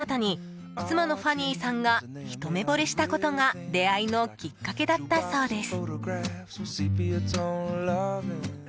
夫のサーフィン姿に妻のファニーさんがひと目ぼれしたことが出会いのきっかけだったそうです。